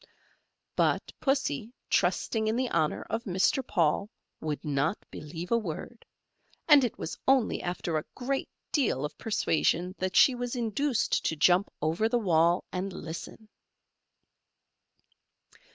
But Pussy, trusting in the honour of Mr. Paul, would not believe a word, and it was only after a great deal of persuasion that she was induced to jump over the wall and listen.